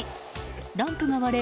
ランプが割れ